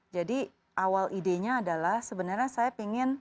jadi awal idenya adalah sebenarnya saya ingin